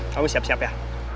kamu siap siap ya